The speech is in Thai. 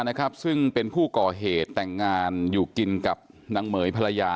นะครับซึ่งเป็นผู้ก่อเหตุแต่งงานอยู่กินกับนางเหม๋ยภรรยา